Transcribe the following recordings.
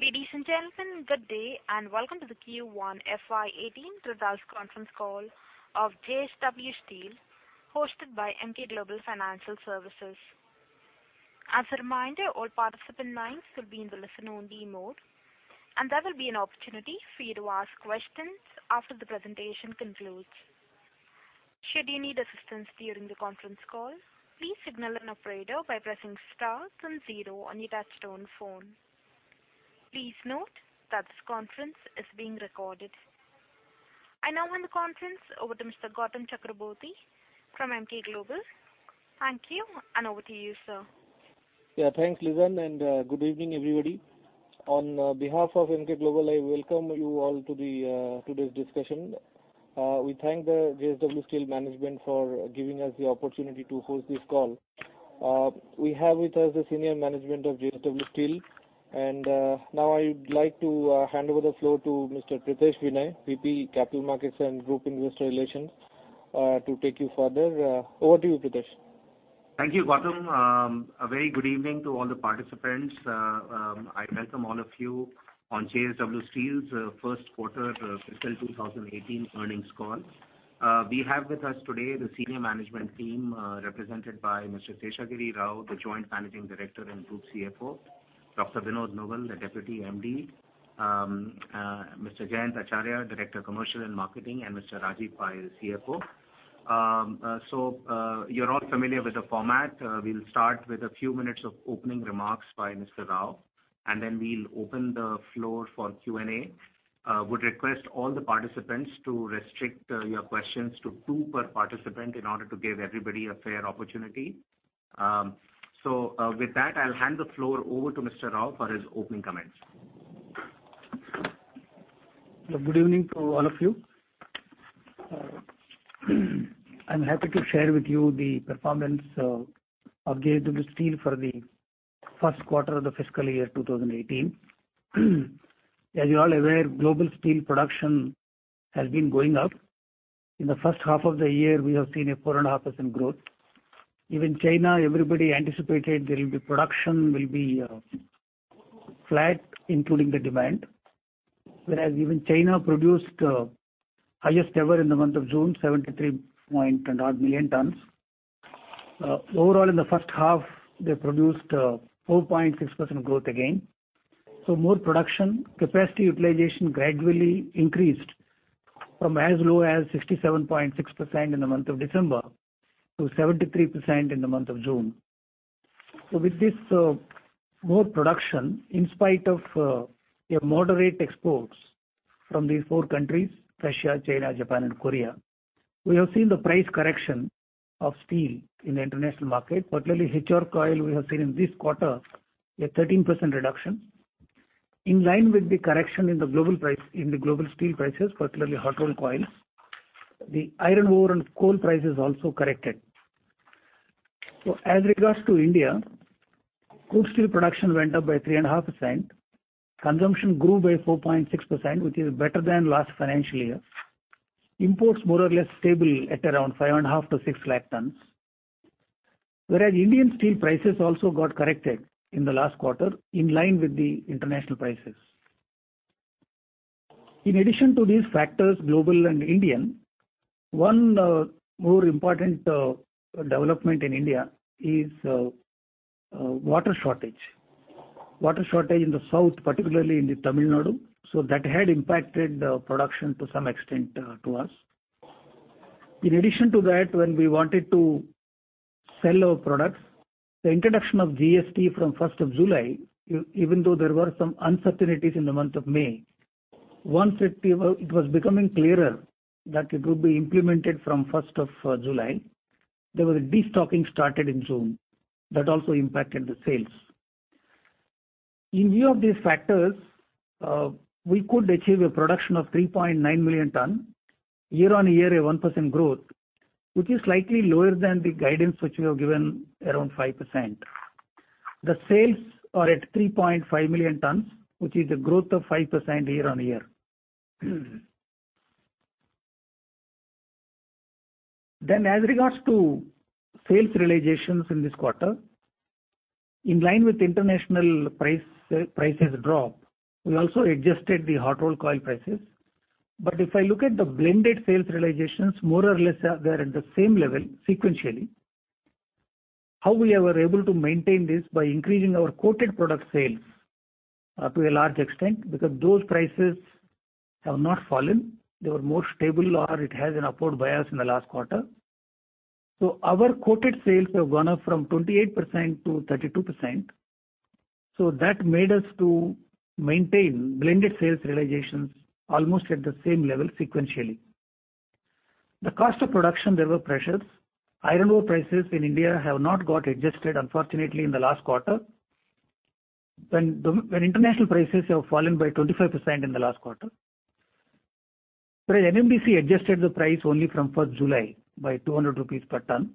Ladies and gentlemen, good day, and welcome to the Q1 FY2018 Conference call of JSW Steel, hosted by Emkay Global Financial Services. As a reminder, all participants' names will be in the listen-only mode, and there will be an opportunity for you to ask questions after the presentation concludes. Should you need assistance during the conference call, please signal an operator by pressing star and zero on your touchtone phone. Please note that this conference is being recorded. I now hand the conference over to Mr. Goutam Chakraborty from Emkay Global. Thank you, and over to you, sir. Yeah, thanks, Lisan, and good evening, everybody. On behalf of Emkay Global, I welcome you all to today's discussion. We thank the JSW Steel management for giving us the opportunity to host this call. We have with us the senior management of JSW Steel, and now I would like to hand over the floor to Mr. Pritesh Vinay, VP Capital Markets and Group Investor Relations, to take you further. Over to you, Pritesh. Thank you, Goutam. A very good evening to all the participants. I welcome all of you on JSW Steel's first-quarter fiscal 2018 earnings call. We have with us today the senior management team represented by Mr. Seshagiri Rao, the Joint Managing Director and Group CFO; Dr. Vinod Nowal, the Deputy MD; Mr. Jayant Acharya, Director Commercial and Marketing; and Mr. Rajeev Pai, the CFO. You are all familiar with the format. We will start with a few minutes of opening remarks by Mr. Rao, and then we will open the floor for Q&A. I would request all the participants to restrict your questions to two per participant in order to give everybody a fair opportunity. With that, I will hand the floor over to Mr. Rao for his opening comments. Good evening to all of you. I'm happy to share with you the performance of JSW Steel for the first quarter of the fiscal year 2018. As you're all aware, global steel production has been going up. In the first half of the year, we have seen a 4.5% growth. Even China, everybody anticipated there will be production will be flat, including the demand, whereas even China produced the highest ever in the month of June, 73.8 million tons. Overall, in the first half, they produced 4.6% growth again. More production capacity utilization gradually increased from as low as 67.6% in the month of December to 73% in the month of June. With this more production, in spite of moderate exports from these four countries: Russia, China, Japan, and Korea, we have seen the price correction of steel in the international market, particularly HR coil. We have seen in this quarter a 13% reduction. In line with the correction in the global steel prices, particularly hot rolled coils, the iron ore and coal prices also corrected. As regards to India, steel production went up by 3.5%. Consumption grew by 4.6%, which is better than last financial year. Imports more or less stable at around 550,000-600,000 tons, whereas Indian steel prices also got corrected in the last quarter in line with the international prices. In addition to these factors, global and Indian, one more important development in India is water shortage. Water shortage in the south, particularly in Tamil Nadu, so that had impacted the production to some extent to us. In addition to that, when we wanted to sell our products, the introduction of GST from 1st of July, even though there were some uncertainties in the month of May, once it was becoming clearer that it would be implemented from 1st of July, there was a destocking started in June that also impacted the sales. In view of these factors, we could achieve a production of 3.9 million tons year on year, a 1% growth, which is slightly lower than the guidance which we have given around 5%. The sales are at 3.5 million tons, which is a growth of 5% year on year. As regards to sales realizations in this quarter, in line with international prices drop, we also adjusted the hot roll coil prices. If I look at the blended sales realizations, more or less they're at the same level sequentially. How we were able to maintain this by increasing our coated product sales to a large extent because those prices have not fallen. They were more stable, or it has an upward bias in the last quarter. Our coated sales have gone up from 28% to 32%. That made us maintain blended sales realizations almost at the same level sequentially. The cost of production, there were pressures. Iron ore prices in India have not got adjusted, unfortunately, in the last quarter, when international prices have fallen by 25% in the last quarter. Whereas NMDC adjusted the price only from July 1 by 200 rupees per ton.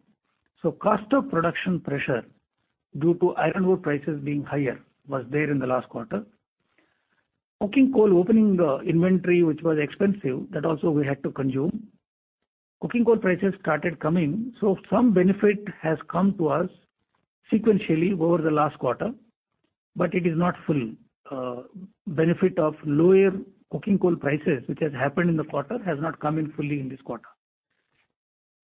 Cost of production pressure due to iron ore prices being higher was there in the last quarter. Coking coal opening inventory, which was expensive, that also we had to consume. Coking coal prices started coming, so some benefit has come to us sequentially over the last quarter, but it is not full. Benefit of lower coking coal prices, which has happened in the quarter, has not come in fully in this quarter.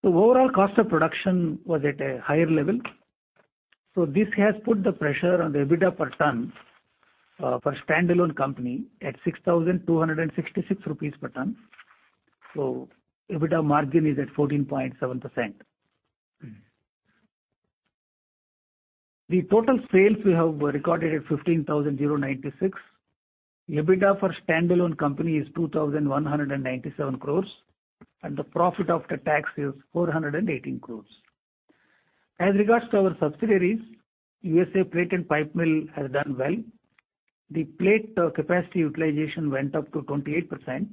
Overall, cost of production was at a higher level. This has put the pressure on the EBITDA per ton for a standalone company at 6,266 rupees per ton. EBITDA margin is at 14.7%. The total sales we have recorded at 15,096. EBITDA for a standalone company is 2,197 crore, and the profit after tax is 418 crore. As regards to our subsidiaries, US Plate and Pipe Mill has done well. The plate capacity utilization went up to 28%,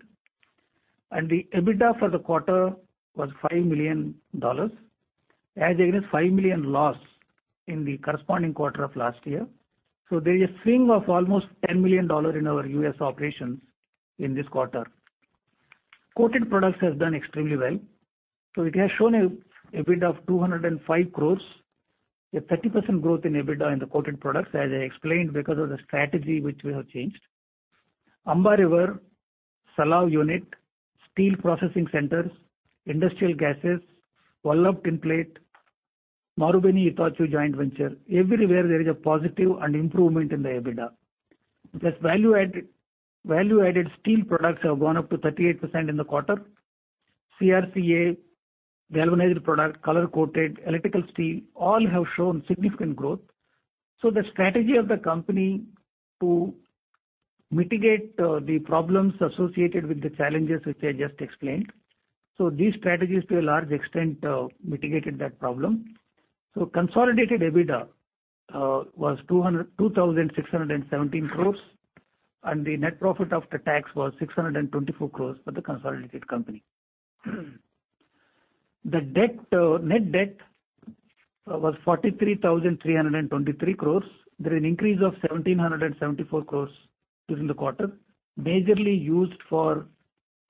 and the EBITDA for the quarter was $5 million, as against $5 million loss in the corresponding quarter of last year. There is a swing of almost $10 million in our US operations in this quarter. Coated products have done extremely well. It has shown EBITDA of 2,050,000,000, a 30% growth in EBITDA in the coated products, as I explained, because of the strategy which we have changed. Amba River, Salem Unit, Steel Processing Centers, Industrial Gases, Vallabh Tinplate, Marubeni-Itochu Joint Venture, everywhere there is a positive improvement in the EBITDA. Value-added steel products have gone up to 38% in the quarter. CRCA, galvanized products, color-coated, electrical steel all have shown significant growth. The strategy of the company is to mitigate the problems associated with the challenges which I just explained. These strategies, to a large extent, mitigated that problem. Consolidated EBITDA was 26,170,000,000, and the net profit after tax was 6,240,000,000 for the consolidated company. The net debt was 433,230,000,000. There is an increase of 1,774 crore during the quarter, majorly used for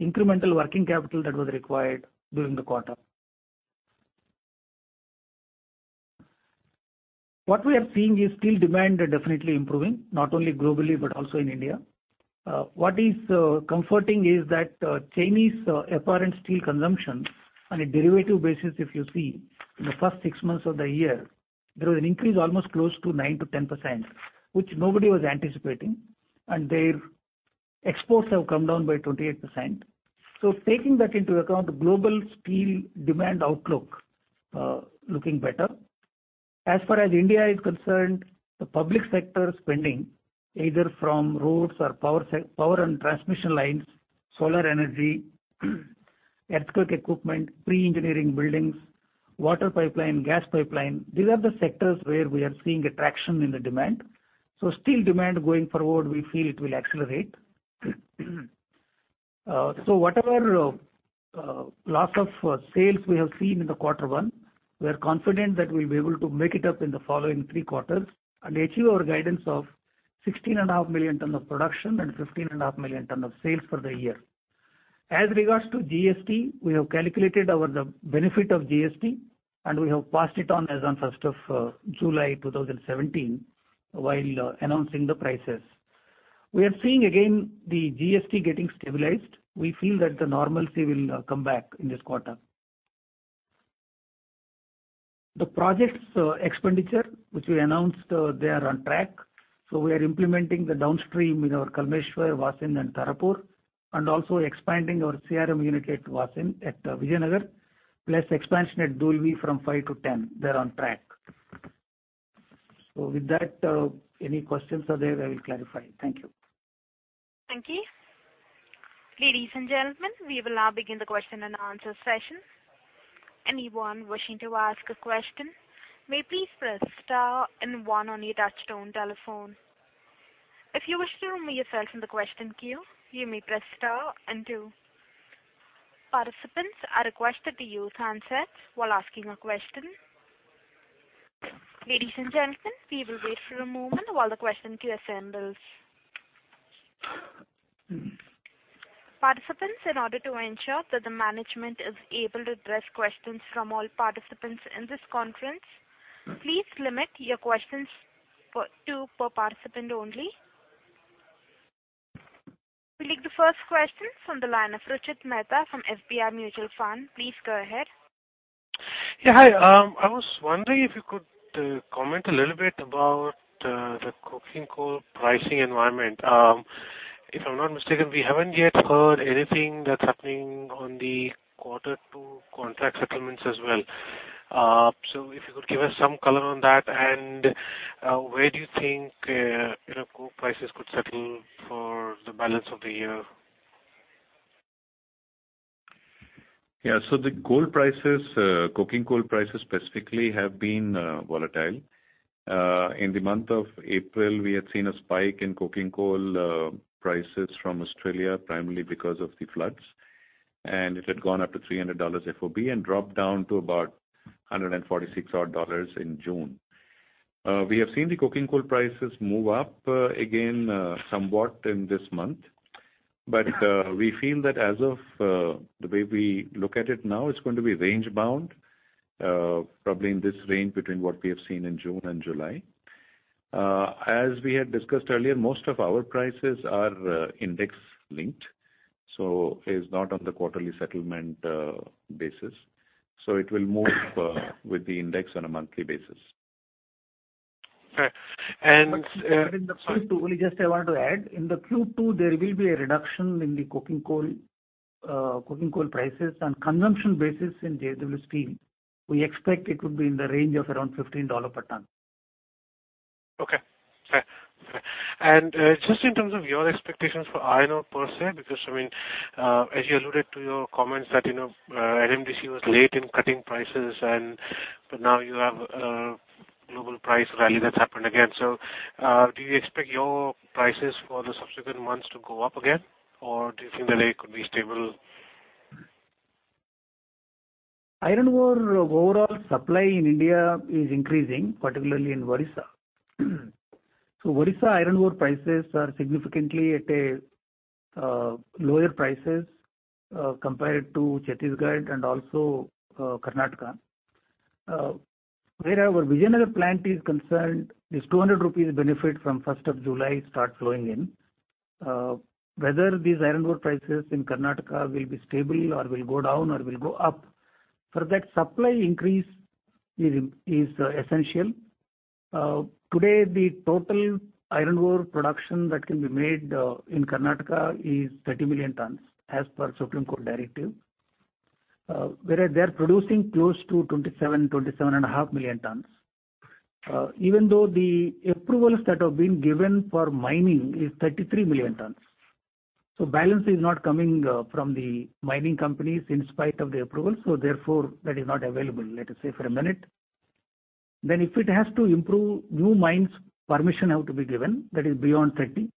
incremental working capital that was required during the quarter. What we are seeing is steel demand definitely improving, not only globally but also in India. What is comforting is that Chinese apparent steel consumption on a derivative basis, if you see, in the first six months of the year, there was an increase almost close to 9-10%, which nobody was anticipating, and their exports have come down by 28%. Taking that into account, the global steel demand outlook is looking better. As far as India is concerned, the public sector spending, either from roads or power and transmission lines, solar energy, earthquake equipment, pre-engineering buildings, water pipeline, gas pipeline, these are the sectors where we are seeing a traction in the demand. Steel demand going forward, we feel it will accelerate. Whatever loss of sales we have seen in quarter one, we are confident that we'll be able to make it up in the following three quarters and achieve our guidance of 16.5 million tons of production and 15.5 million tons of sales for the year. As regards to GST, we have calculated our benefit of GST, and we have passed it on as of 1st of July 2017 while announcing the prices. We are seeing again the GST getting stabilized. We feel that the normalcy will come back in this quarter. The project's expenditure, which we announced, they are on track. We are implementing the downstream in our Kalmeshwar, Vasind, and Tarapur, and also expanding our CRM unit at Vasind at Vijayanagar, plus expansion at Dolvi from 5 to 10. They're on track. With that, any questions are there, I will clarify. Thank you. Thank you. Ladies and gentlemen, we will now begin the question and answer session. Anyone wishing to ask a question may please press star and one on your touchstone telephone. If you wish to remain yourself in the question queue, you may press star and two. Participants are requested to use handsets while asking a question. Ladies and gentlemen, we will wait for a moment while the question queue assembles. Participants, in order to ensure that the management is able to address questions from all participants in this conference, please limit your questions to per participant only. We'll take the first question from the line of Rakesh Mehta from HDFC Mutual Fund. Please go ahead. Yeah, hi. I was wondering if you could comment a little bit about the coking coal pricing environment. If I'm not mistaken, we haven't yet heard anything that's happening on the quarter two contract settlements as well. If you could give us some color on that, and where do you think coal prices could settle for the balance of the year? Yeah, so the coal prices, coking coal prices specifically, have been volatile. In the month of April, we had seen a spike in coking coal prices from Australia, primarily because of the floods, and it had gone up to $300 FOB and dropped down to about $146 in June. We have seen the coking coal prices move up again somewhat in this month, but we feel that as of the way we look at it now, it's going to be range-bound, probably in this range between what we have seen in June and July. As we had discussed earlier, most of our prices are index-linked, so it's not on the quarterly settlement basis. It will move with the index on a monthly basis. Okay. And. In the Q2, just I wanted to add, in the Q2, there will be a reduction in the coking coal prices on consumption basis in JSW Steel. We expect it would be in the range of around $15 per ton. Okay. Just in terms of your expectations for iron ore per se, because I mean, as you alluded to your comments that NMDC was late in cutting prices, but now you have a global price rally that's happened again. Do you expect your prices for the subsequent months to go up again, or do you think that they could be stable? Iron ore overall supply in India is increasing, particularly in Odisha. Odisha iron ore prices are significantly at lower prices compared to Chhattisgarh and also Karnataka. Where our Vijayanagar plant is concerned, this 200 rupees benefit from 1st of July starts flowing in. Whether these iron ore prices in Karnataka will be stable or will go down or will go up, for that supply increase is essential. Today, the total iron ore production that can be made in Karnataka is 30 million tons as per Supreme Court directive, whereas they're producing close to 27-27.5 million tons, even though the approvals that have been given for mining is 33 million tons. Balance is not coming from the mining companies in spite of the approval. Therefore, that is not available, let us say, for a minute. If it has to improve, new mines permission have to be given that is beyond 30.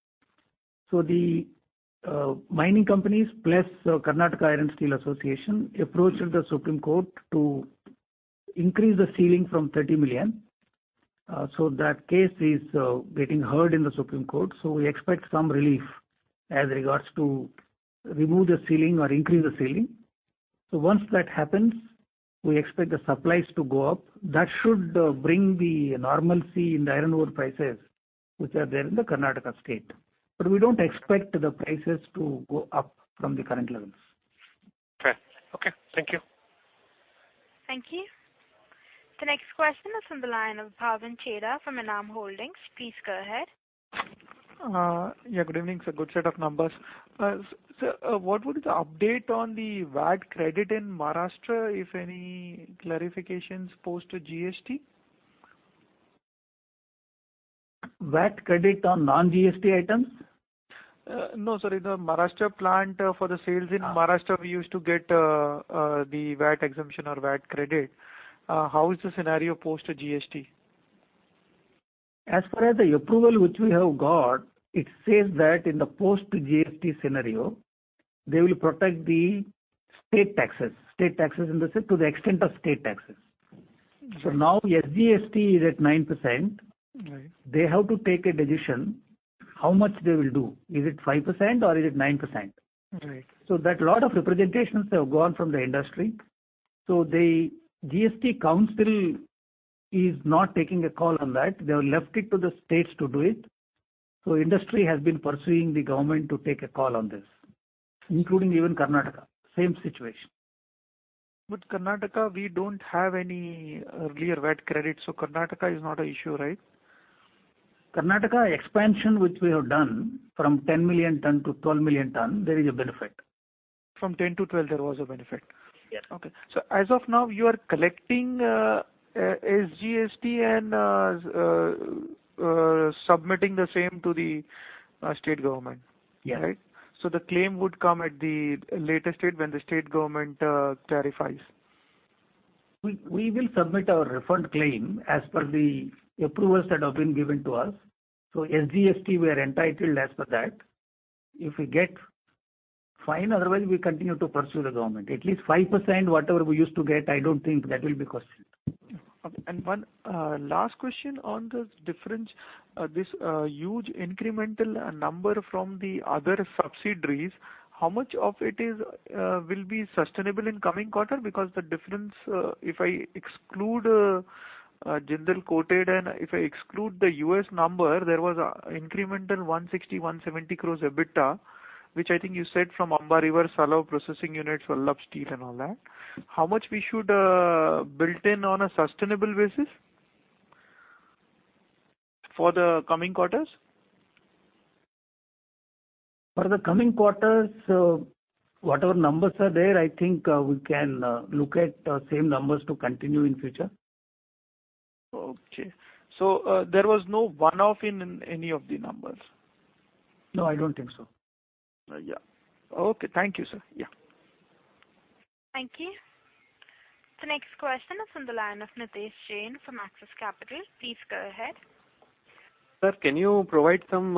The mining companies plus Karnataka Iron Steel Association approached the Supreme Court to increase the ceiling from 30 million. That case is getting heard in the Supreme Court. We expect some relief as regards to remove the ceiling or increase the ceiling. Once that happens, we expect the supplies to go up. That should bring the normalcy in the iron ore prices, which are there in the Karnataka state. We do not expect the prices to go up from the current levels. Okay. Okay. Thank you. Thank you. The next question is from the line of Bhavin Chheda from Enam Holdings. Please go ahead. Yeah, good evening. Good set of numbers. What would be the update on the VAT credit in Maharashtra, if any clarifications post GST? VAT credit on non-GST items? No, sorry. The Maharashtra plant for the sales in Maharashtra used to get the VAT exemption or VAT credit. How is the scenario post GST? As far as the approval which we have got, it says that in the post-GST scenario, they will protect the state taxes, state taxes in the sense to the extent of state taxes. Now SGST is at 9%. They have to take a decision how much they will do. Is it 5% or is it 9%? A lot of representations have gone from the industry. The GST council is not taking a call on that. They have left it to the states to do it. Industry has been pursuing the government to take a call on this, including even Karnataka. Same situation. Karnataka, we don't have any earlier VAT credit. So Karnataka is not an issue, right? Karnataka expansion which we have done from 10 million ton to 12 million ton, there is a benefit. From 10-12, there was a benefit. Yes. Okay. As of now, you are collecting SGST and submitting the same to the state government, right? Yes. The claim would come at the latest date when the state government clarifies. We will submit our referred claim as per the approvals that have been given to us. SGST, we are entitled as per that if we get fine. Otherwise, we continue to pursue the government. At least 5%, whatever we used to get, I don't think that will be questioned. Okay. One last question on the difference, this huge incremental number from the other subsidiaries, how much of it will be sustainable in the coming quarter? Because the difference, if I exclude JSW Coated Products and if I exclude the US number, there was an incremental 160-170 crore EBITDA, which I think you said from Amba River, Salav Processing Units, Vallabh Steel, and all that. How much should we build in on a sustainable basis for the coming quarters? For the coming quarters, whatever numbers are there, I think we can look at the same numbers to continue in future. Okay. So there was no one-off in any of the numbers? No, I don't think so. Yeah. Okay. Thank you, sir. Yeah. Thank you. The next question is from the line of Nitesh Jain from Axis Capital. Please go ahead. Sir, can you provide some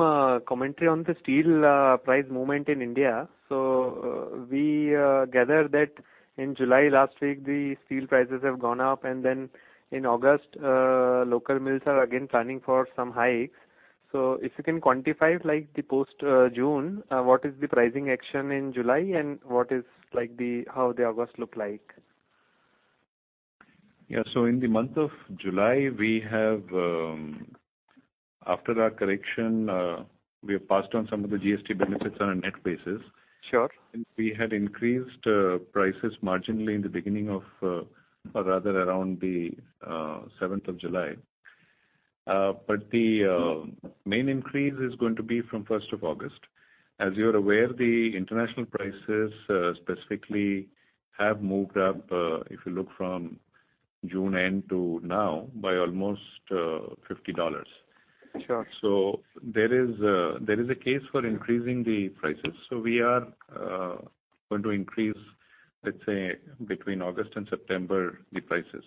commentary on the steel price movement in India? We gather that in July last week, the steel prices have gone up, and then in August, local mills are again planning for some hikes. If you can quantify the post-June, what is the pricing action in July, and what is how the August look like? Yeah. In the month of July, after our correction, we have passed on some of the GST benefits on a net basis. We had increased prices marginally in the beginning of, or rather around the 7th of July. The main increase is going to be from 1st of August. As you are aware, the international prices specifically have moved up, if you look from June end to now, by almost $50. There is a case for increasing the prices. We are going to increase, let's say, between August and September the prices.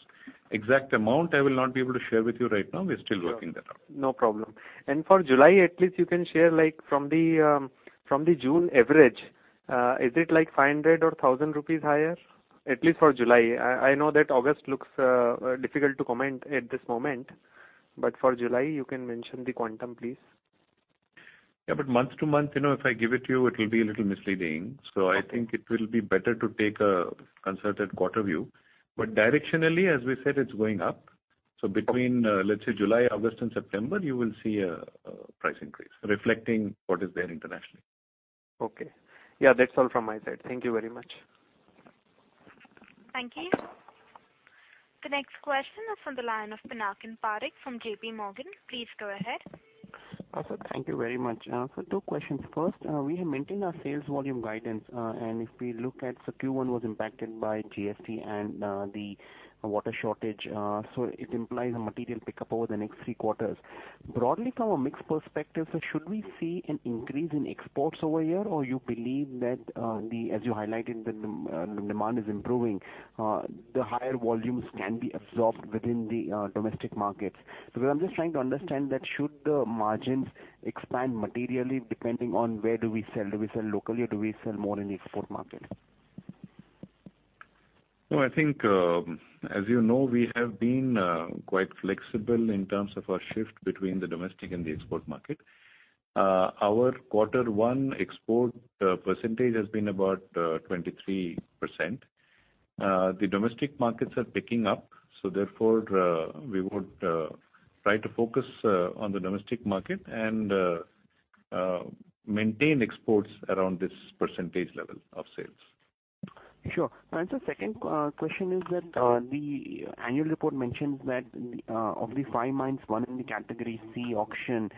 Exact amount, I will not be able to share with you right now. We are still working that out. No problem. For July, at least you can share from the June average, is it like 500 or 1,000 rupees higher? At least for July. I know that August looks difficult to comment at this moment, but for July, you can mention the quantum, please. Yeah, but month to month, if I give it to you, it will be a little misleading. I think it will be better to take a concerted quarter view. Directionally, as we said, it's going up. Between, let's say, July, August, and September, you will see a price increase reflecting what is there internationally. Okay. Yeah, that's all from my side. Thank you very much. Thank you. The next question is from the line of Pinakin Parekh from JP Morgan. Please go ahead. Awesome. Thank you very much. Two questions. First, we have maintained our sales volume guidance, and if we look at the Q1, it was impacted by GST and the water shortage. It implies a material pickup over the next three quarters. Broadly, from a mix perspective, should we see an increase in exports over a year, or you believe that, as you highlighted, the demand is improving, the higher volumes can be absorbed within the domestic markets? Because I am just trying to understand that should the margins expand materially depending on where do we sell? Do we sell locally, or do we sell more in the export market? No, I think, as you know, we have been quite flexible in terms of our shift between the domestic and the export market. Our quarter one export percentage has been about 23%. The domestic markets are picking up. Therefore, we would try to focus on the domestic market and maintain exports around this percentage level of sales. Sure. The second question is that the annual report mentions that of the five mines, one in the category C auction,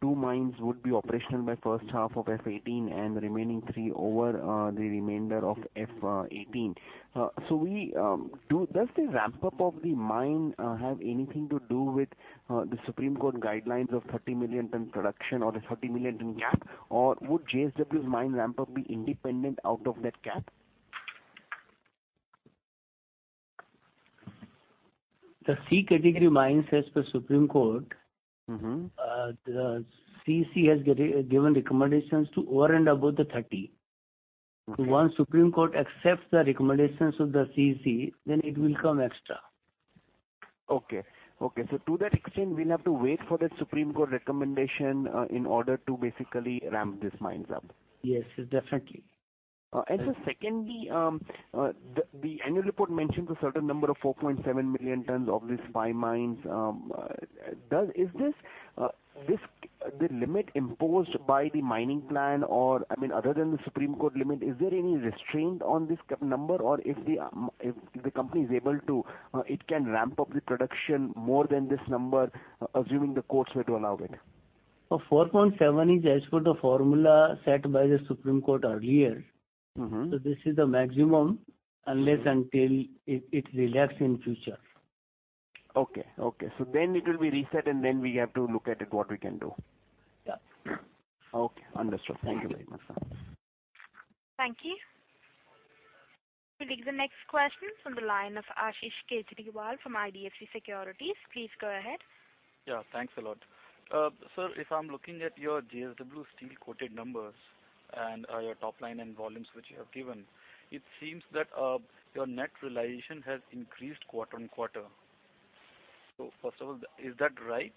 two mines would be operational by first half of 2018, and the remaining three over the remainder of 2018. Does the ramp-up of the mine have anything to do with the Supreme Court guidelines of 30 million ton production or the 30 million ton gap, or would JSW's mine ramp-up be independent out of that gap? The C category mines, as per Supreme Court, the CEC has given recommendations to over and above the 30. Once Supreme Court accepts the recommendations of the CEC, then it will come extra. Okay. Okay. To that extent, we'll have to wait for that Supreme Court recommendation in order to basically ramp these mines up. Yes, definitely. Secondly, the annual report mentioned a certain number of 4.7 million tons of these five mines. Is this the limit imposed by the mining plan, or, I mean, other than the Supreme Court limit, is there any restraint on this number, or if the company is able to, it can ramp up the production more than this number, assuming the courts were to allow it? 4.7 is as per the formula set by the Supreme Court earlier. So this is the maximum unless until it's relaxed in future. Okay. Okay. It will be reset, and then we have to look at what we can do. Yeah. Okay. Understood. Thank you very much, sir. Thank you. We'll take the next question from the line of Ashish Kejriwal from IDFC Securities. Please go ahead. Yeah. Thanks a lot. Sir, if I'm looking at your JSW Steel Coated numbers and your top line and volumes which you have given, it seems that your net realization has increased quarter on quarter. First of all, is that right?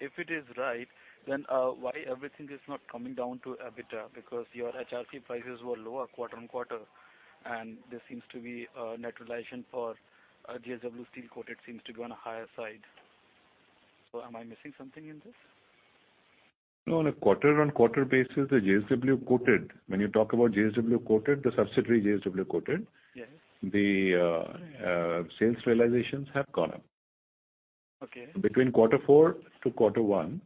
If it is right, then why is everything not coming down to EBITDA? Because your HRC prices were lower quarter on quarter, and this seems to be a net realization for JSW Steel Coated seems to be on a higher side. Am I missing something in this? No, on a quarter on quarter basis, the JSW Coated, when you talk about JSW Coated, the subsidiary JSW Coated, the sales realizations have gone up between quarter four to quarter one,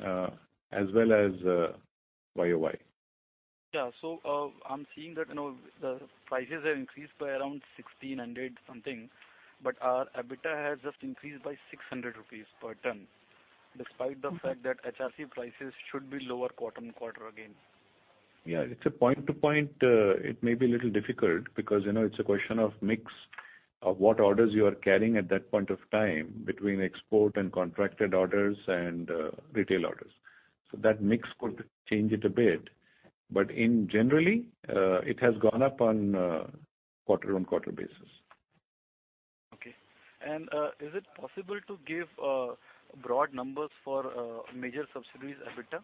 as well as YOY. Yeah. I'm seeing that the prices have increased by around 1,600 something, but our EBITDA has just increased by 600 rupees per ton, despite the fact that HRC prices should be lower quarter on quarter again. Yeah. It's a point-to-point. It may be a little difficult because it's a question of mix of what orders you are carrying at that point of time between export and contracted orders and retail orders. That mix could change it a bit. Generally, it has gone up on quarter on quarter basis. Okay. Is it possible to give broad numbers for major subsidiaries' EBITDA?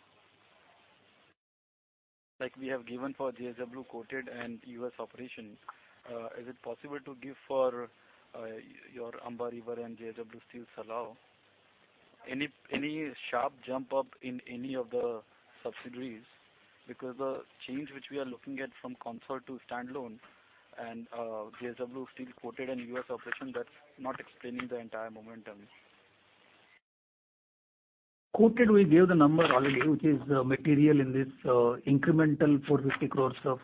Like we have given for JSW Coated and US operations, is it possible to give for your Amba River and JSW Steel Salem? Any sharp jump up in any of the subsidiaries? Because the change which we are looking at from consol to standalone and JSW Steel Coated and US operation, that's not explaining the entire momentum. Coated, we gave the number already, which is the material in this incremental 450 crore of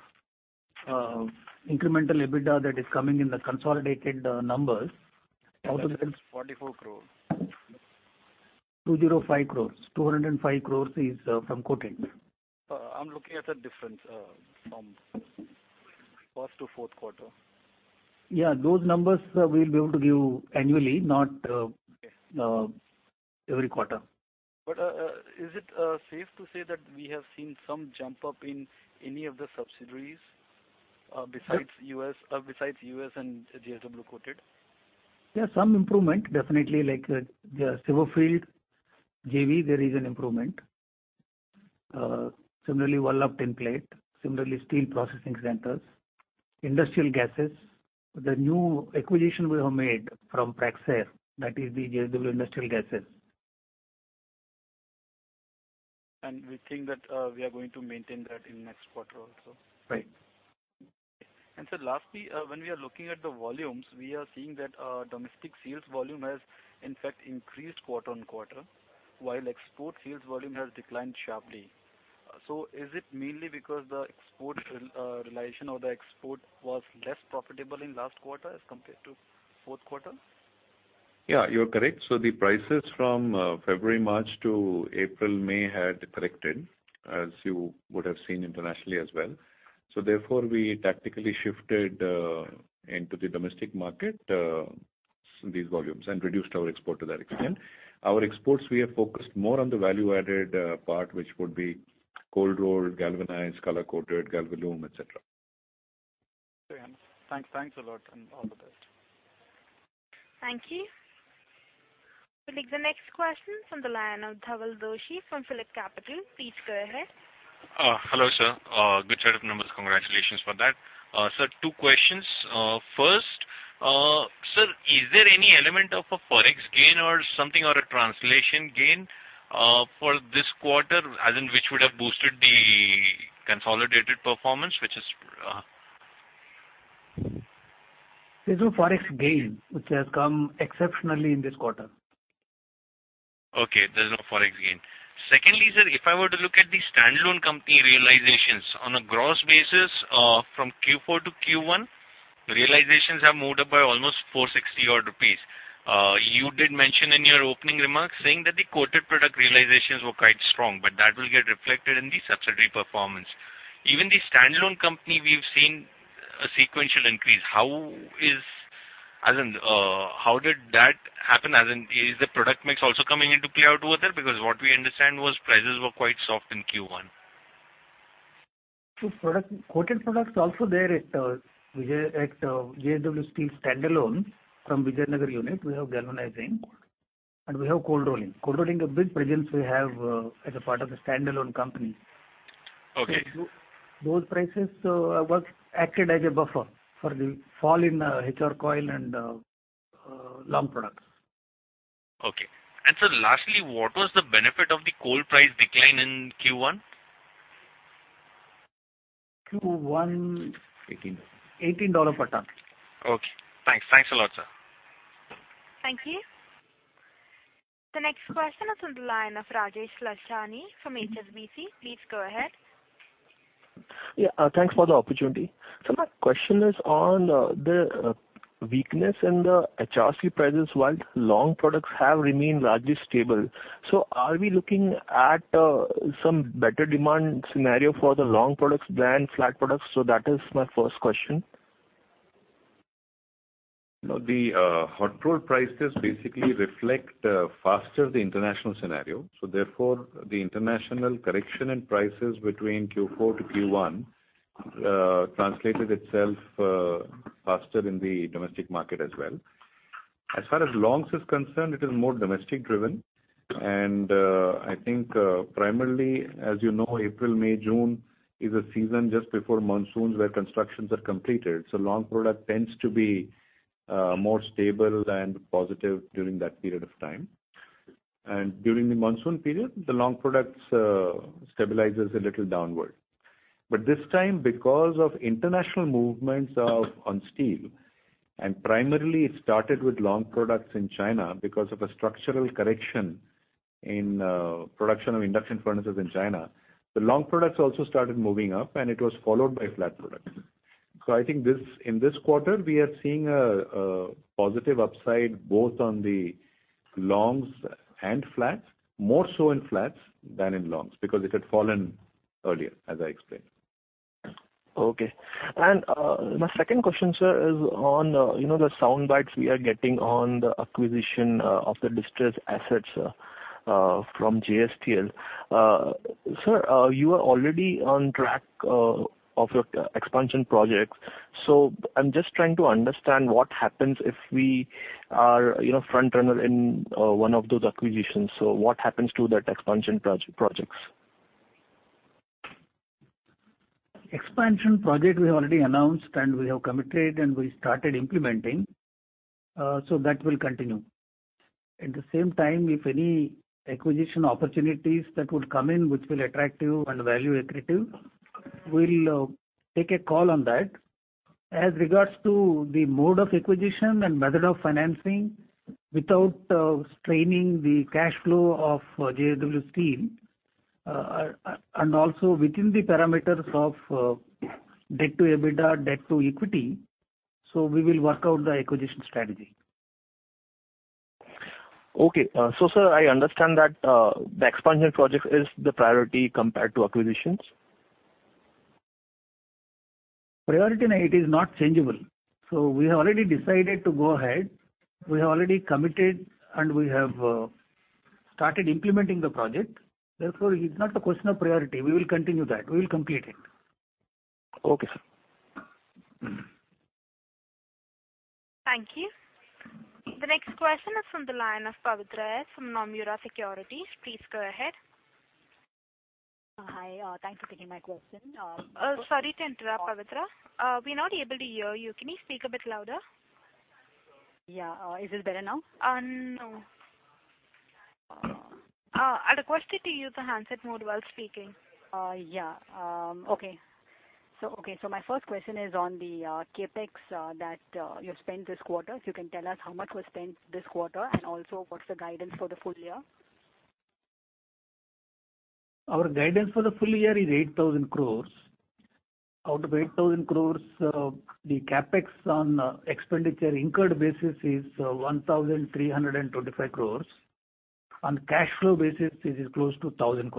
incremental EBITDA that is coming in the consolidated numbers. How is 44 crore? 205 crore. 205 crore is from Coated. I'm looking at the difference from first to fourth quarter. Yeah. Those numbers, we'll be able to give annually, not every quarter. Is it safe to say that we have seen some jump up in any of the subsidiaries besides US and JSW Coated? There's some improvement, definitely. Like the Severfield, JV, there is an improvement. Similarly, Vallabh Tinplate. Similarly, steel processing centers. Industrial gases. The new acquisition we have made from Praxair, that is the JSW Industrial Gases. We think that we are going to maintain that in next quarter also. Right. Sir, lastly, when we are looking at the volumes, we are seeing that domestic sales volume has, in fact, increased quarter on quarter, while export sales volume has declined sharply. Is it mainly because the export realization or the export was less profitable in last quarter as compared to fourth quarter? Yeah, you're correct. The prices from February, March to April, May had corrected, as you would have seen internationally as well. Therefore, we tactically shifted into the domestic market these volumes and reduced our export to that extent. Our exports, we have focused more on the value-added part, which would be cold rolled, galvanized, color-coated, galvalume, etc. Thanks a lot on all of that. Thank you. We'll take the next question from the line of Dhawal Doshi from PhillipCapital. Please go ahead. Hello, sir. Good set of numbers. Congratulations for that. Sir, two questions. First, sir, is there any element of a Forex gain or something, or a translation gain for this quarter, as in which would have boosted the consolidated performance, which is? There's no Forex gain, which has come exceptionally in this quarter. Okay. There is no Forex gain. Secondly, sir, if I were to look at the standalone company realizations on a gross basis from Q4 to Q1, realizations have moved up by almost 460 rupees. You did mention in your opening remarks saying that the coated product realizations were quite strong, but that will get reflected in the subsidiary performance. Even the standalone company, we have seen a sequential increase. As in, how did that happen? As in, is the product mix also coming into play out over there? Because what we understand was prices were quite soft in Q1. Quoted products also there at JSW Steel standalone from Vijayanagar unit, we have galvanizing, and we have cold rolling. Cold rolling, a big presence we have as a part of the standalone company. So those prices acted as a buffer for the fall in HR coil and long products. Okay. Sir, lastly, what was the benefit of the coal price decline in Q1? Q1, $18 per ton. Okay. Thanks. Thanks a lot, sir. Thank you. The next question is from the line of Rajesh Lachhani from HSBC. Please go ahead. Yeah. Thanks for the opportunity. My question is on the weakness in the HRC prices while long products have remained largely stable. Are we looking at some better demand scenario for the long products than flat products? That is my first question. Now, the hot roll prices basically reflect faster the international scenario. Therefore, the international correction in prices between Q4 to Q1 translated itself faster in the domestic market as well. As far as longs is concerned, it is more domestic-driven. I think primarily, as you know, April, May, June is a season just before monsoons where constructions are completed. So long product tends to be more stable and positive during that period of time. During the monsoon period, the long products stabilize a little downward. This time, because of international movements on steel, and primarily it started with long products in China because of a structural correction in production of induction furnaces in China, the long products also started moving up, and it was followed by flat products. I think in this quarter, we are seeing a positive upside both on the longs and flats, more so in flats than in longs because it had fallen earlier, as I explained. Okay. My second question, sir, is on the sound bites we are getting on the acquisition of the distressed assets from JSW Steel. Sir, you are already on track of your expansion projects. I am just trying to understand what happens if we are front-runner in one of those acquisitions. What happens to that expansion projects? Expansion project we have already announced, and we have committed, and we started implementing. That will continue. At the same time, if any acquisition opportunities that would come in, which will attract you and value equity, we'll take a call on that. As regards to the mode of acquisition and method of financing without straining the cash flow of JSW Steel, and also within the parameters of debt to EBITDA, debt to equity, we will work out the acquisition strategy. Okay. Sir, I understand that the expansion project is the priority compared to acquisitions? Priority, it is not changeable. We have already decided to go ahead. We have already committed, and we have started implementing the project. Therefore, it's not a question of priority. We will continue that. We will complete it. Okay, sir. Thank you. The next question is from the line of Pavitra from Nomura Securities. Please go ahead. Hi. Thanks for taking my question. Sorry to interrupt, Pavitra. We're not able to hear you. Can you speak a bit louder? Yeah. Is it better now? No. I requested to use the handset mode while speaking. Yeah. Okay. My first question is on the capex that you've spent this quarter. If you can tell us how much was spent this quarter, and also what's the guidance for the full year? Our guidance for the full year is 8,000. Out of 8,000, the capex on expenditure incurred basis is 1,325. On cash flow basis, it is close to 1,000.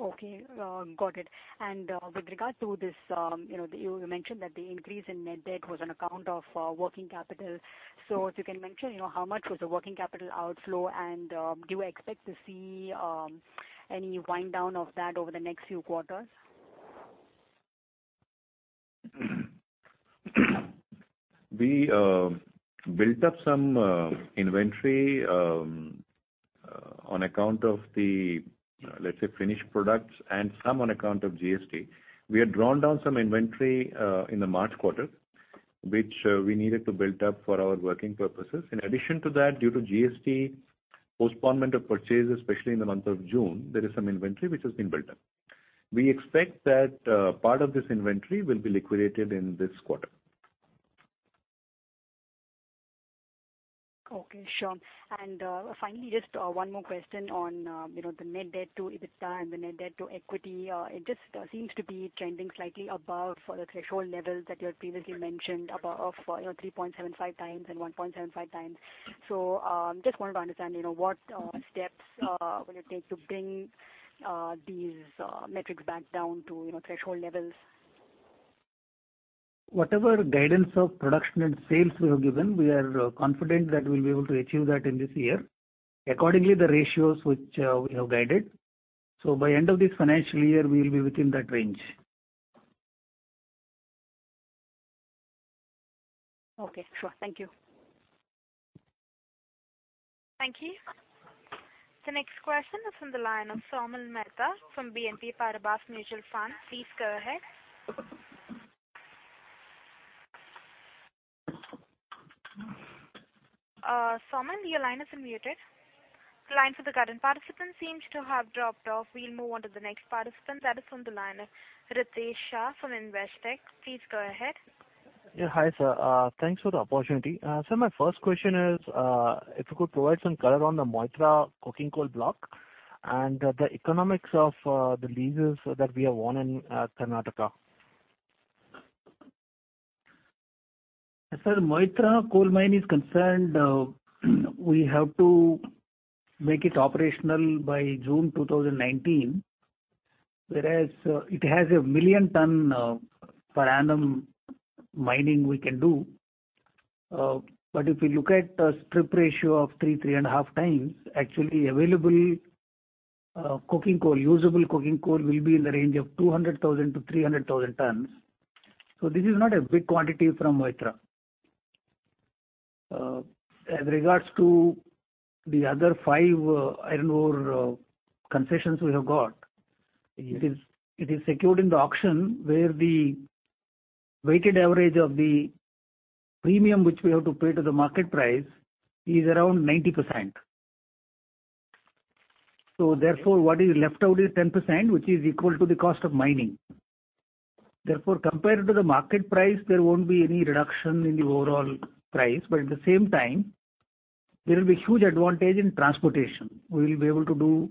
Okay. Got it. With regard to this, you mentioned that the increase in net debt was on account of working capital. If you can mention how much was the working capital outflow, and do you expect to see any wind down of that over the next few quarters? We built up some inventory on account of the, let's say, finished products, and some on account of GST. We had drawn down some inventory in the March quarter, which we needed to build up for our working purposes. In addition to that, due to GST postponement of purchase, especially in the month of June, there is some inventory which has been built up. We expect that part of this inventory will be liquidated in this quarter. Okay. Sure. Finally, just one more question on the net debt to EBITDA and the net debt to equity. It just seems to be trending slightly above the threshold levels that you had previously mentioned of 3.75 times and 1.75 times. I just wanted to understand what steps will it take to bring these metrics back down to threshold levels? Whatever guidance of production and sales we have given, we are confident that we'll be able to achieve that in this year. Accordingly, the ratios which we have guided. By end of this financial year, we will be within that range. Okay. Sure. Thank you. Thank you. The next question is from the line of Saumil Mehta from BNP Paribas Mutual Fund. Please go ahead. Saumil, your line is unmuted. The line for the current participant seems to have dropped off. We'll move on to the next participant. That is from the line of Ritesh Shah from Investec. Please go ahead. Yeah. Hi, sir. Thanks for the opportunity. Sir, my first question is if you could provide some color on the Moitra coking coal block and the economics of the leases that we have won in Karnataka. As for the Moitra coal mine is concerned, we have to make it operational by June 2019, whereas it has a million ton per annum mining we can do. If we look at a strip ratio of three, three and a half times, actually available coking coal, usable coking coal will be in the range of 200,000-300,000 tons. This is not a big quantity from Moitra. As regards to the other five iron ore concessions we have got, it is secured in the auction where the weighted average of the premium which we have to pay to the market price is around 90%. Therefore, what is left out is 10%, which is equal to the cost of mining. Therefore, compared to the market price, there won't be any reduction in the overall price. At the same time, there will be a huge advantage in transportation. We will be able to do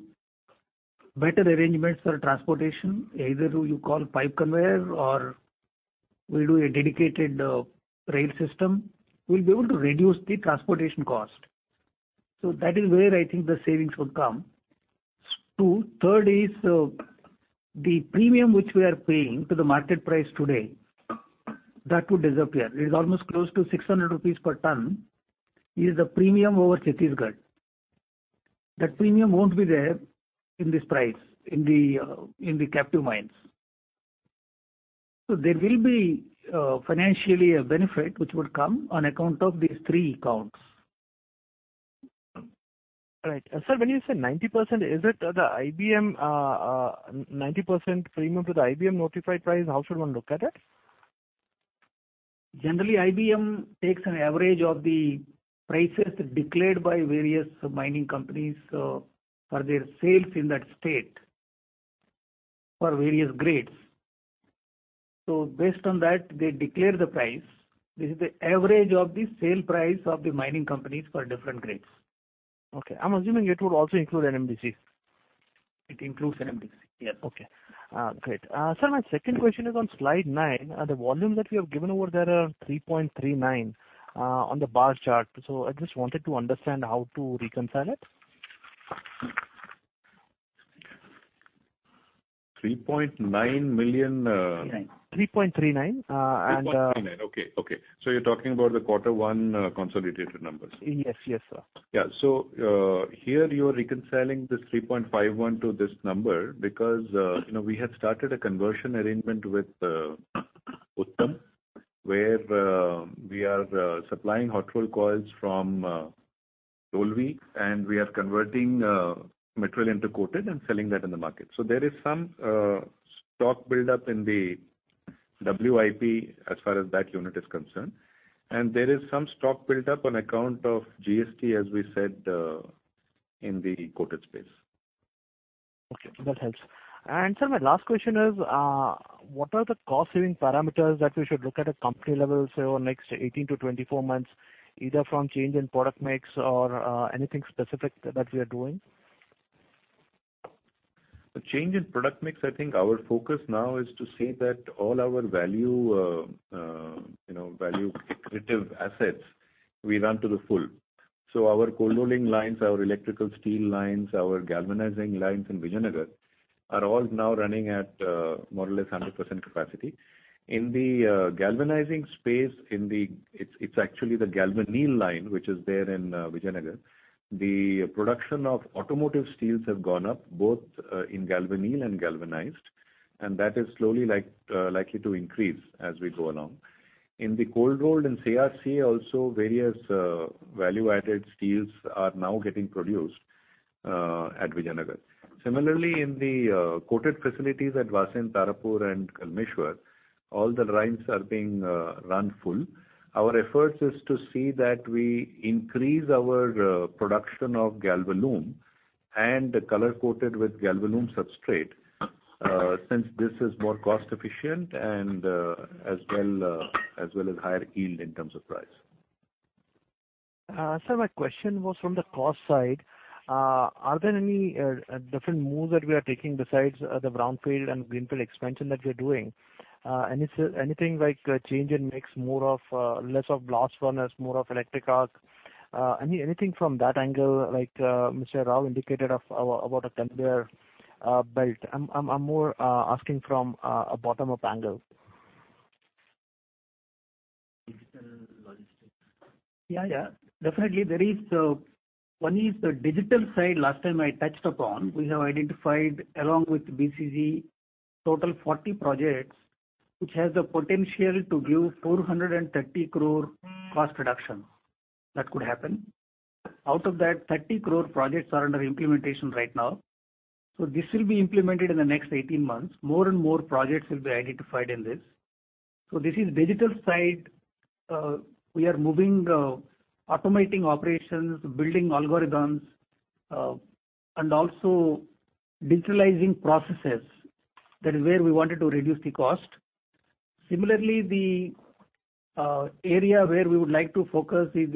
better arrangements for transportation, either you call pipe conveyor or we do a dedicated rail system. We'll be able to reduce the transportation cost. That is where I think the savings would come. Third is the premium which we are paying to the market price today, that would disappear. It is almost close to 600 rupees per ton. It is the premium over Chhattisgarh. That premium won't be there in this price in the captive mines. There will be financially a benefit which would come on account of these three counts. Right. Sir, when you said 90%, is it the IBM premium to the IBM notified price? How should one look at it? Generally, IBM takes an average of the prices declared by various mining companies for their sales in that state for various grades. Based on that, they declare the price. This is the average of the sale price of the mining companies for different grades. Okay. I'm assuming it would also include NMDC's. It includes NMDC's. Yes. Okay. Great. Sir, my second question is on slide nine. The volume that we have given over there are 3.39 on the bar chart. I just wanted to understand how to reconcile it. 3.9 million. 3.39. Okay. Okay. So you're talking about the quarter one consolidated numbers? Yes. Yes, sir. Yeah. Here you are reconciling this 3.51 to this number because we have started a conversion arrangement with Uttam where we are supplying hot rolled coils from Dolvi, and we are converting metal into coated and selling that in the market. There is some stock buildup in the work in progress as far as that unit is concerned. There is some stock built up on account of GST, as we said, in the coated space. Okay. That helps. Sir, my last question is, what are the cost-saving parameters that we should look at at company level for next 18 to 24 months, either from change in product mix or anything specific that we are doing? The change in product mix, I think our focus now is to see that all our value equitative assets, we run to the full. So our cold rolling lines, our electrical steel lines, our galvanizing lines in Vijayanagar are all now running at more or less 100% capacity. In the galvanizing space, it's actually the galvanneal line which is there in Vijayanagar. The production of automotive steels have gone up, both in galvanneal and galvanized, and that is slowly likely to increase as we go along. In the cold roll and CRC, also various value-added steels are now getting produced at Vijayanagar. Similarly, in the coated facilities at Vasind, Tarapur, and Kalmeshwar, all the lines are being run full. Our efforts is to see that we increase our production of galvalume and the color coated with galvalume substrate since this is more cost-efficient and as well as higher yield in terms of price. Sir, my question was from the cost side. Are there any different moves that we are taking besides the brownfield and greenfield expansion that we are doing? Anything like change in mix, more or less of blast furnace, more of electric arc? Anything from that angle like Mr. Rao indicated about a conveyor belt? I am more asking from a bottom-up angle. Yeah. Definitely. One is the digital side last time I touched upon. We have identified along with BCG total 40 projects which has the potential to give 430 crore cost reduction that could happen. Out of that, 30 crore projects are under implementation right now. This will be implemented in the next 18 months. More and more projects will be identified in this. This is digital side. We are moving automating operations, building algorithms, and also digitalizing processes. That is where we wanted to reduce the cost. Similarly, the area where we would like to focus is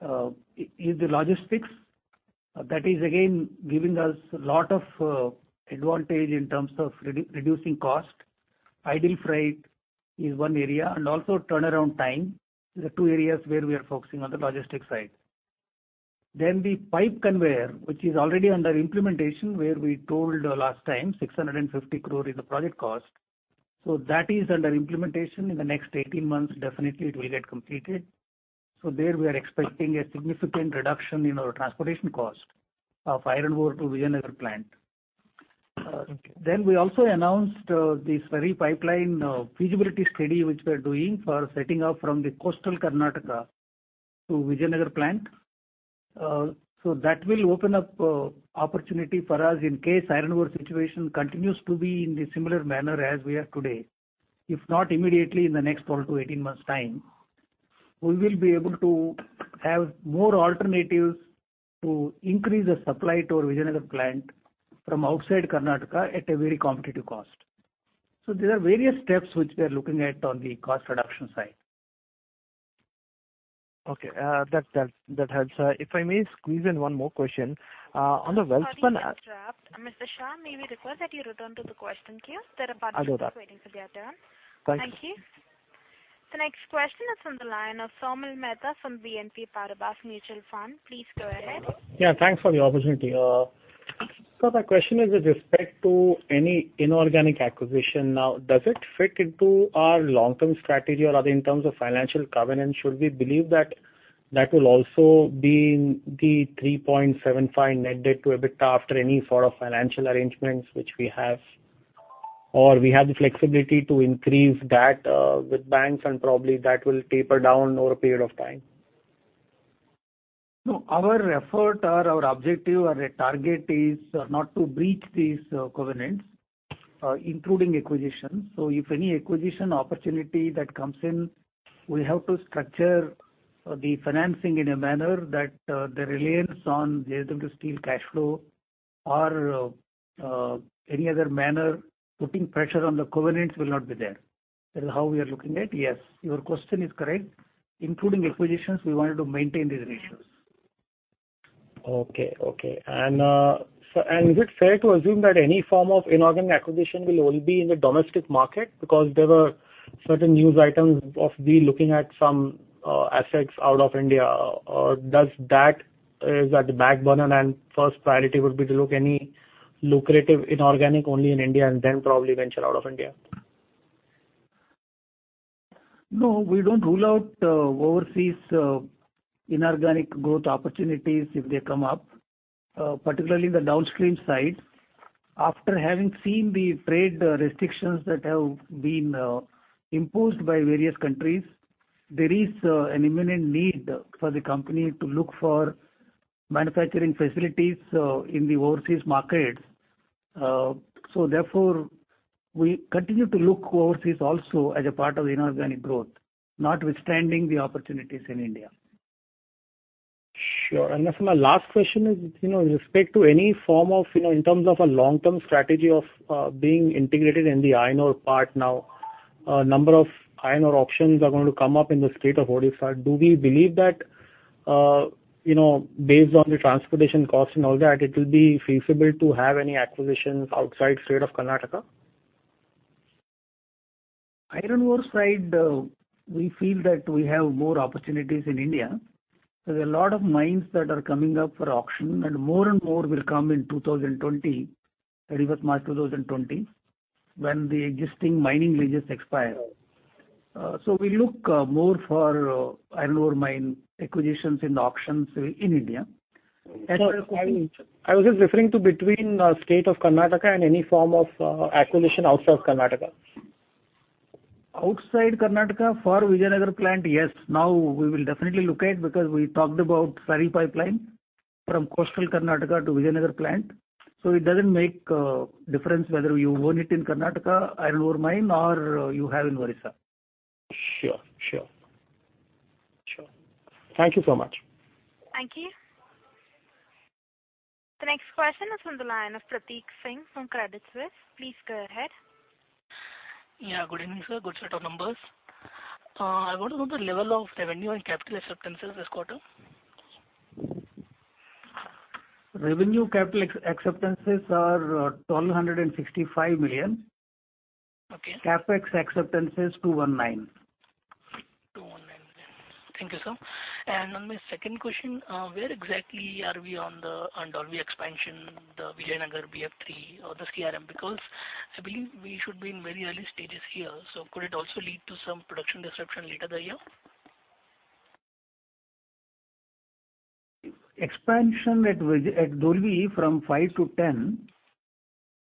the logistics. That is, again, giving us a lot of advantage in terms of reducing cost. Idle freight is one area, and also turnaround time is the two areas where we are focusing on the logistics side. The pipe conveyor, which is already under implementation, where we told last time 650 crore is the project cost, is under implementation in the next 18 months. Definitely, it will get completed. There we are expecting a significant reduction in our transportation cost of iron ore to Vijayanagar plant. We also announced this very pipeline feasibility study which we are doing for setting up from the coastal Karnataka to Vijayanagar plant. That will open up opportunity for us in case iron ore situation continues to be in the similar manner as we have today. If not, immediately in the next 12-18 months' time, we will be able to have more alternatives to increase the supply to our Vijayanagar plant from outside Karnataka at a very competitive cost. There are various steps which we are looking at on the cost reduction side. Okay. That helps. If I may squeeze in one more question on the wealth plan. Mr. Shah, may we request that you return to the question queue? There are a bunch of people waiting for their turn. Thank you. Thank you. The next question is from the line of Saumil Mehta from BNP Paribas Mutual Fund. Please go ahead. Yeah. Thanks for the opportunity. Sir, my question is with respect to any inorganic acquisition. Now, does it fit into our long-term strategy or other in terms of financial covenants? Should we believe that that will also be the 3.75 net debt to EBITDA after any sort of financial arrangements which we have? Or we have the flexibility to increase that with banks, and probably that will taper down over a period of time? No. Our effort or our objective or target is not to breach these covenants, including acquisitions. If any acquisition opportunity that comes in, we have to structure the financing in a manner that the reliance on JSW Steel cash flow or any other manner putting pressure on the covenants will not be there. That is how we are looking at it. Yes, your question is correct. Including acquisitions, we wanted to maintain these ratios. Okay. Okay. Is it fair to assume that any form of inorganic acquisition will only be in the domestic market because there were certain news items of me looking at some assets out of India? Is that the back burner and first priority would be to look any lucrative inorganic only in India and then probably venture out of India? No. We do not rule out overseas inorganic growth opportunities if they come up, particularly in the downstream side. After having seen the trade restrictions that have been imposed by various countries, there is an imminent need for the company to look for manufacturing facilities in the overseas markets. Therefore, we continue to look overseas also as a part of inorganic growth, notwithstanding the opportunities in India. Sure. My last question is with respect to any form of, in terms of a long-term strategy of being integrated in the iron ore part. Now, a number of iron ore options are going to come up in the state of Odisha. Do we believe that based on the transportation cost and all that, it will be feasible to have any acquisitions outside the state of Karnataka? Iron ore side, we feel that we have more opportunities in India. There are a lot of mines that are coming up for auction, and more and more will come in 2020, March 2020, when the existing mining leases expire. We look more for iron ore mine acquisitions in the auctions in India. I was just referring to between state of Karnataka and any form of acquisition outside Karnataka. Outside Karnataka for Vijayanagar plant, yes. Now, we will definitely look at because we talked about slurry pipeline from coastal Karnataka to Vijayanagar plant. It does not make a difference whether you own it in Karnataka, iron ore mine, or you have in Odisha. Sure. Thank you so much. Thank you. The next question is from the line of Pratik Singh from Credit Suisse. Please go ahead. Yeah. Good evening, sir. Good set of numbers. I want to know the level of revenue and capital acceptances this quarter. Revenue capital acceptances are 1,265 million. Capex acceptances 219 million. 219 million. Thank you, sir. My second question, where exactly are we on the Dolvi expansion, the Vijayanagar BF3, or the CRM? I believe we should be in very early stages here. Could it also lead to some production disruption later this year? Expansion at Dolvi from 5 to 10,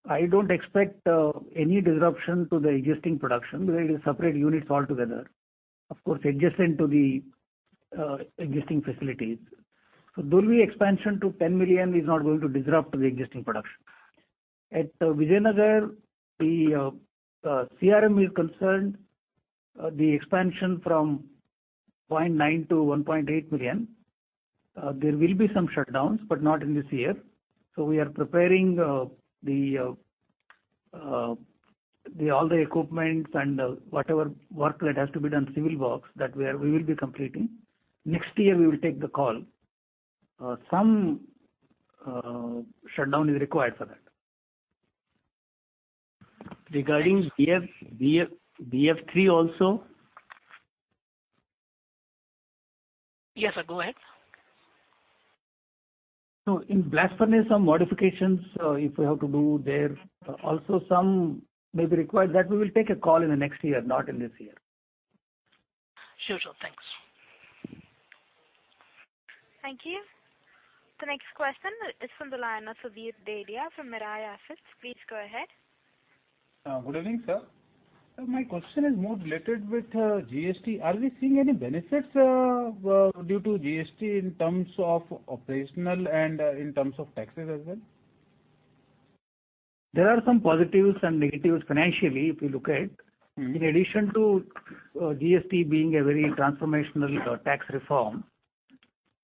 I don't expect any disruption to the existing production because it is separate units altogether, of course, adjacent to the existing facilities. Dolvi expansion to 10 million is not going to disrupt the existing production. At Vijayanagar, the CRM is concerned, the expansion from 0.9 to 1.8 million. There will be some shutdowns, but not in this year. We are preparing all the equipment and whatever work that has to be done, civil works that we will be completing. Next year, we will take the call. Some shutdown is required for that. Regarding BF3 also? Yes, sir. Go ahead. No. In blast furnace, some modifications if we have to do there. Also, some may be required that we will take a call in the next year, not in this year. Sure, sir. Thanks. Thank you. The next question is from the line of Saveer Dedhia from Mirae Asset. Please go ahead. Good evening, sir. My question is more related with GST. Are we seeing any benefits due to GST in terms of operational and in terms of taxes as well? There are some positives and negatives financially if we look at. In addition to GST being a very transformational tax reform,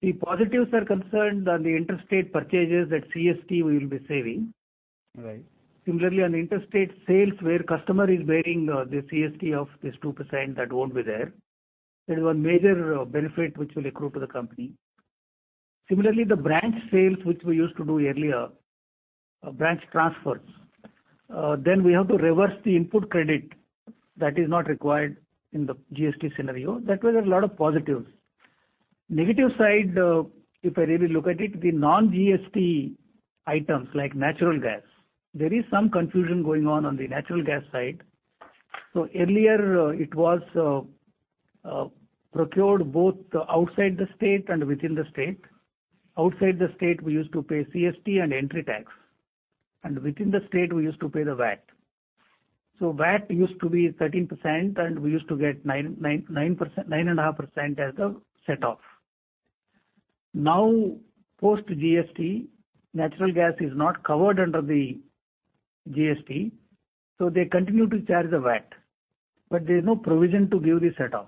the positives are concerned on the interstate purchases that CST will be saving. Similarly, on the interstate sales where customer is bearing the CST of this 2% that won't be there. There is one major benefit which will accrue to the company. Similarly, the branch sales which we used to do earlier, branch transfers. Then we have to reverse the input credit that is not required in the GST scenario. That was a lot of positives. Negative side, if I really look at it, the non-GST items like natural gas. There is some confusion going on on the natural gas side. Earlier, it was procured both outside the state and within the state. Outside the state, we used to pay CST and entry tax. Within the state, we used to pay the VAT. VAT used to be 13%, and we used to get 9.5% as the set-off. Now, post-GST, natural gas is not covered under the GST. They continue to charge the VAT, but there is no provision to give the set-off.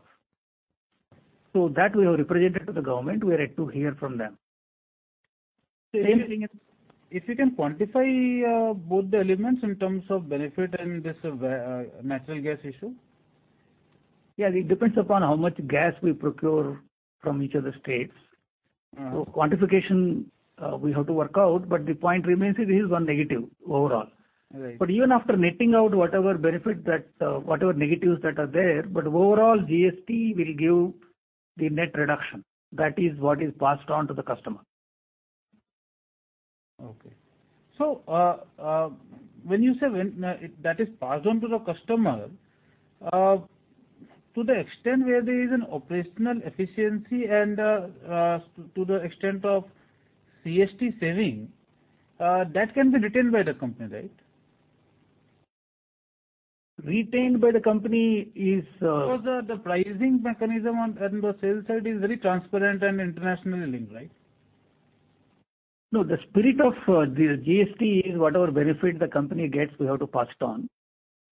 We have represented that to the government. We are yet to hear from them. Same thing. If you can quantify both the elements in terms of benefit and this natural gas issue? Yeah. It depends upon how much gas we procure from each of the states. Quantification, we have to work out. The point remains it is one negative overall. Even after netting out whatever benefit, whatever negatives that are there, overall, GST will give the net reduction. That is what is passed on to the customer. Okay. When you say that is passed on to the customer, to the extent where there is an operational efficiency and to the extent of CST saving, that can be retained by the company, right? Retained by the company is. Because the pricing mechanism on the sales side is very transparent and internationally linked, right? No. The spirit of GST is whatever benefit the company gets, we have to pass it on.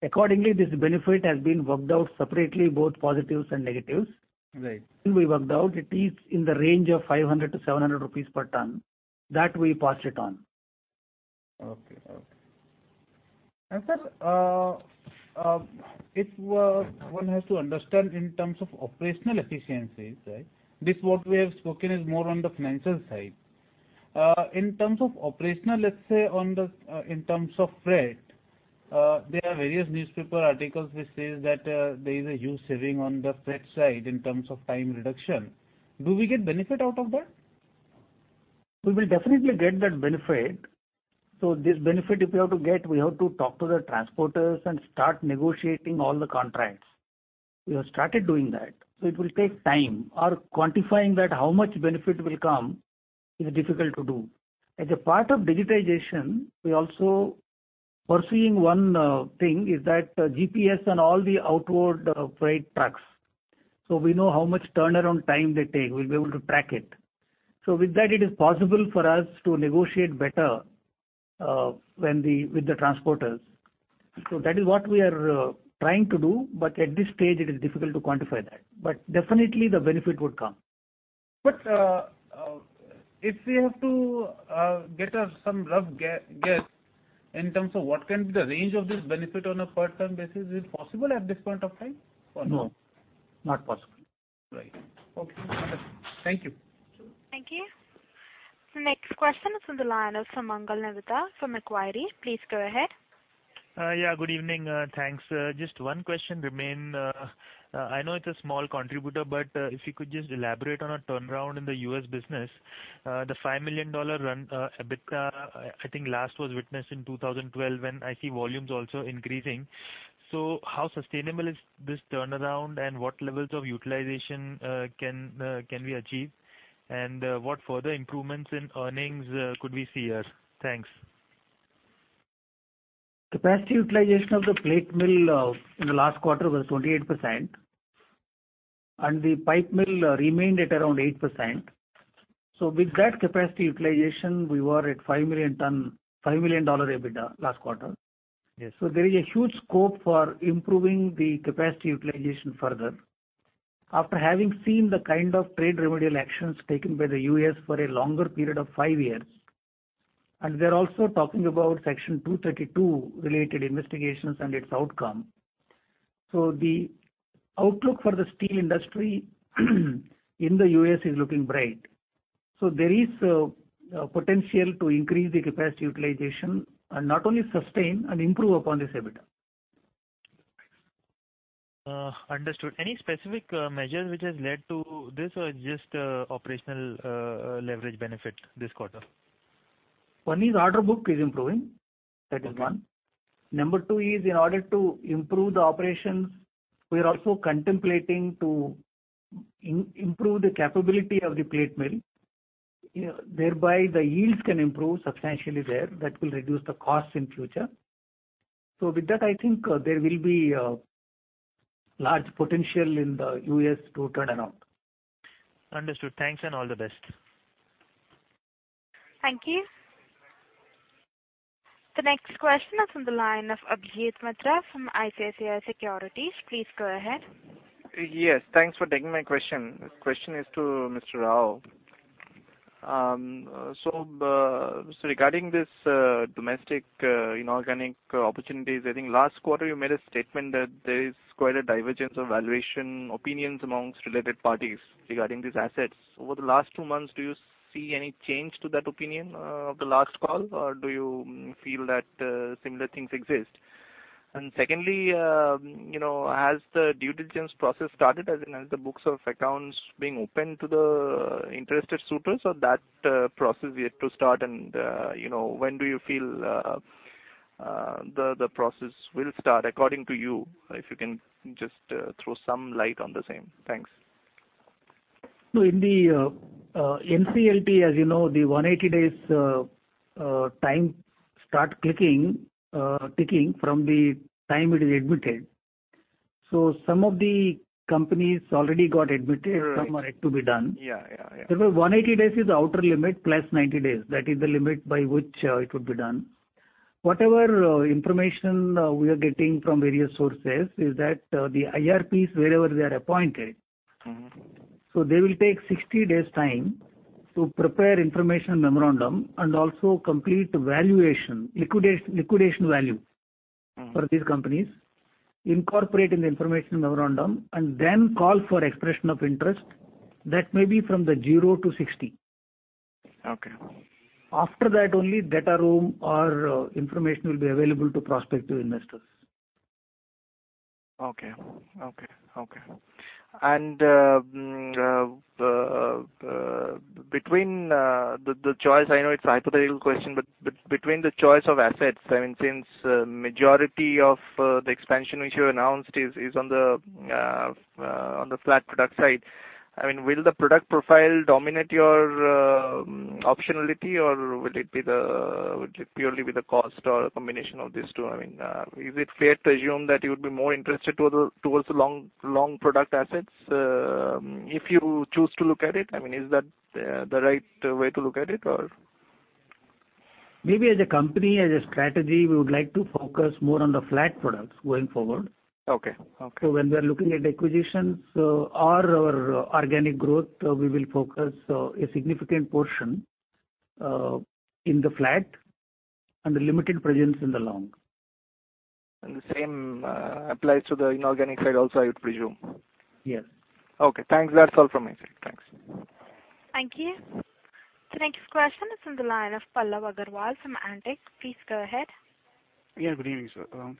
Accordingly, this benefit has been worked out separately, both positives and negatives. We worked out it is in the range of 500-700 rupees per ton that we passed it on. Okay. Okay. Sir, one has to understand in terms of operational efficiencies, right? This, what we have spoken, is more on the financial side. In terms of operational, let's say in terms of freight, there are various newspaper articles which say that there is a huge saving on the freight side in terms of time reduction. Do we get benefit out of that? We will definitely get that benefit. This benefit, if we have to get, we have to talk to the transporters and start negotiating all the contracts. We have started doing that. It will take time. Quantifying how much benefit will come is difficult to do. As a part of digitization, we are also pursuing one thing, which is GPS and all the outward freight trucks. We know how much turnaround time they take. We will be able to track it. With that, it is possible for us to negotiate better with the transporters. That is what we are trying to do. At this stage, it is difficult to quantify that. Definitely, the benefit would come. If we have to get some rough guess in terms of what can be the range of this benefit on a per ton basis, is it possible at this point of time or no? No. Not possible. Right. Okay. Thank you. Thank you. The next question is from the line of Sumangal Nevatia from Macquarie. Please go ahead. Yeah. Good evening. Thanks. Just one question remain. I know it's a small contributor, but if you could just elaborate on a turnaround in the US business. The $5 million EBITDA, I think last was witnessed in 2012 when I see volumes also increasing. How sustainable is this turnaround and what levels of utilization can we achieve? What further improvements in earnings could we see here? Thanks. Capacity utilization of the plate mill in the last quarter was 28%. The pipe mill remained at around 8%. With that capacity utilization, we were at $5 million EBITDA last quarter. There is a huge scope for improving the capacity utilization further. After having seen the kind of trade remedial actions taken by the U.S. for a longer period of five years, and they are also talking about Section 232-related investigations and its outcome. The outlook for the steel industry in the U.S. is looking bright. There is potential to increase the capacity utilization and not only sustain and improve upon this EBITDA. Understood. Any specific measure which has led to this or just operational leverage benefit this quarter? One is order book is improving. That is one. Number two is in order to improve the operations, we are also contemplating to improve the capability of the plate mill. Thereby, the yields can improve substantially there. That will reduce the cost in future. With that, I think there will be a large potential in the US to turnaround. Understood. Thanks and all the best. Thank you. The next question is from the line of Abhijit Mitra from ICICI Securities. Please go ahead. Yes. Thanks for taking my question. This question is to Mr. Rao. Regarding this domestic inorganic opportunities, I think last quarter, you made a statement that there is quite a divergence of valuation opinions amongst related parties regarding these assets. Over the last two months, do you see any change to that opinion of the last call, or do you feel that similar things exist? Secondly, has the due diligence process started? As in, are the books of accounts being opened to the interested suiters, or that process yet to start? When do you feel the process will start according to you, if you can just throw some light on the same? Thanks. No. In the NCLT, as you know, the 180 days' time starts ticking from the time it is admitted. Some of the companies already got admitted. Some are yet to be done. Therefore, 180 days is the outer limit plus 90 days. That is the limit by which it would be done. Whatever information we are getting from various sources is that the IRPs, wherever they are appointed, will take 60 days' time to prepare information memorandum and also complete valuation, liquidation value for these companies, incorporate in the information memorandum, and then call for expression of interest. That may be from 0-60. After that, only data room or information will be available to prospective investors. Okay. Okay. Between the choice, I know it's a hypothetical question, but between the choice of assets, I mean, since the majority of the expansion which you announced is on the flat product side, I mean, will the product profile dominate your optionality, or will it purely be the cost or a combination of these two? I mean, is it fair to assume that you would be more interested towards the long product assets if you choose to look at it? I mean, is that the right way to look at it, or? Maybe as a company, as a strategy, we would like to focus more on the flat products going forward. When we are looking at acquisitions or organic growth, we will focus a significant portion in the flat and the limited presence in the long. The same applies to the inorganic side also, I would presume. Yes. Okay. Thanks. That's all from me. Thanks. Thank you. The next question is from the line of Pallav Agarwal from Antique. Please go ahead. Yeah. Good evening, sir. I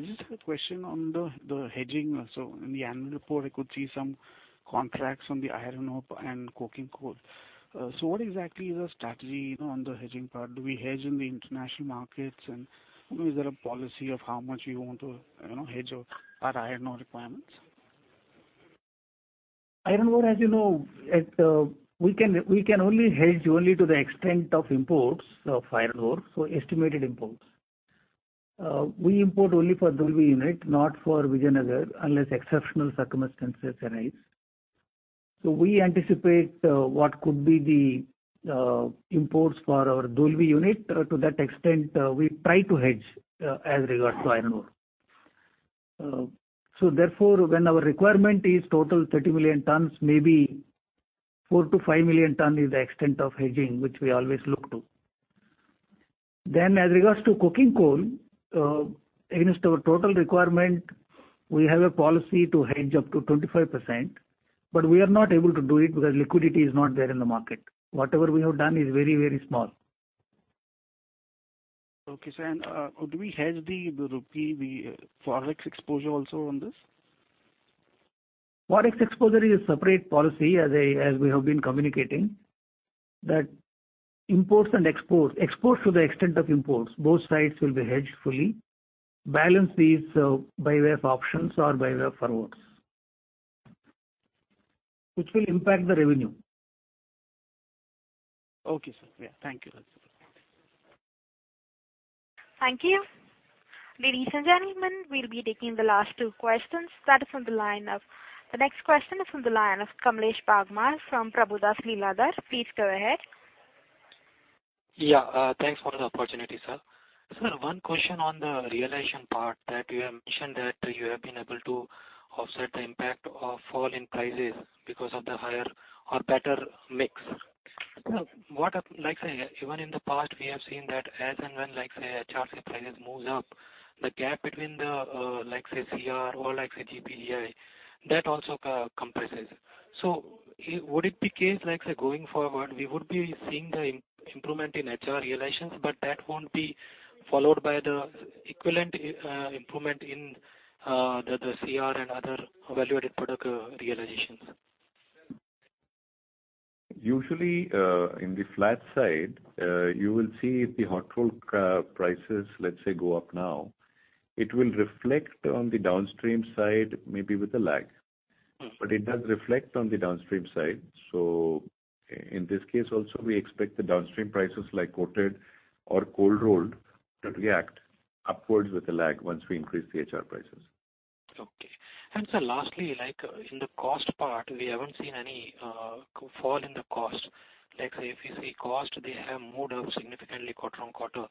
just have a question on the hedging. In the annual report, I could see some contracts on the iron ore and coking coal. What exactly is our strategy on the hedging part? Do we hedge in the international markets? Is there a policy of how much we want to hedge our iron ore requirements? Iron ore, as you know, we can only hedge only to the extent of imports of iron ore, so estimated imports. We import only for Dolvi Unit, not for Vijayanagar, unless exceptional circumstances arise. We anticipate what could be the imports for our Dolvi Unit. To that extent, we try to hedge as regards to iron ore. Therefore, when our requirement is total 30 million tons, maybe 4-5 million tons is the extent of hedging which we always look to. As regards to coking coal, against our total requirement, we have a policy to hedge up to 25%. We are not able to do it because liquidity is not there in the market. Whatever we have done is very, very small. Okay. Do we hedge the forex exposure also on this? Forex exposure is a separate policy, as we have been communicating, that imports and exports, exports to the extent of imports, both sides will be hedged fully, balance these by way of options or by way of forwards, which will impact the revenue. Okay, sir. Yeah. Thank you. Thank you. Ladies and gentlemen, we'll be taking the last two questions. That is from the line of the next question is from the line of Kamlesh Bagmar from Prabhudas Lilladher. Please go ahead. Yeah. Thanks for the opportunity, sir. Sir, one question on the realization part that you have mentioned that you have been able to offset the impact of fall in prices because of the higher or better mix. Like I say, even in the past, we have seen that as and when HRC prices move up, the gap between the CR or GP/GI, that also compresses. Would it be the case going forward we would be seeing the improvement in HR realizations, but that won't be followed by the equivalent improvement in the CR and other value-added product realizations? Usually, in the flat side, you will see if the hot roll prices, let's say, go up now, it will reflect on the downstream side maybe with a lag. It does reflect on the downstream side. In this case, also, we expect the downstream prices like coated or cold rolled to react upwards with a lag once we increase the HR prices. Okay. Sir, lastly, in the cost part, we have not seen any fall in the cost. If you see cost, they have moved up significantly quarter on quarter.